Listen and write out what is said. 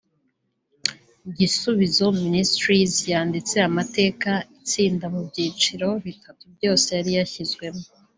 Gisubizo Ministries yanditse amateka itsinda mu byiciro bitatu byose yari yashyizwemo